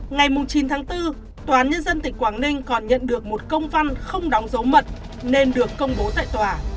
ngày chín tháng bốn tòa án nhân dân tỉnh quảng ninh còn nhận được một công văn không đóng dấu mật nên được công bố tại tòa